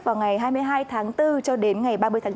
vào ngày hai mươi hai tháng bốn cho đến ngày ba mươi tháng bốn